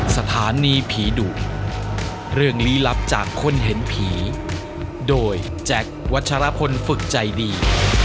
สถานีผีดุเรื่องลี้ลับจากคนเห็นผีโดยแจ็ควัชรพลฝึกใจดี